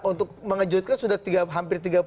untuk mengejutkan sudah hampir tiga puluh lima